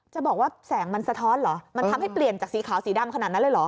จะบอกว่าแสงมันสะท้อนเหรอมันทำให้เปลี่ยนจากสีขาวสีดำขนาดนั้นเลยเหรอ